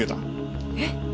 えっ。